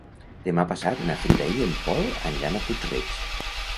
Demà passat na Frida i en Pol aniran a Puig-reig.